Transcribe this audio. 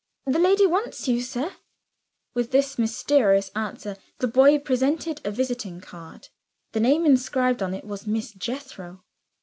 "The lady wants you, sir." With this mysterious answer, the boy presented a visiting card. The name inscribed on it was "Miss Jethro."